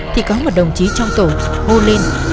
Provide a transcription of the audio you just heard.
thì có một đồng chí trong tổ hô lên